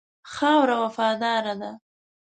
خاوره وفاداره ده.